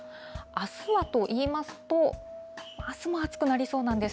あすはといいますと、あすも暑くなりそうなんです。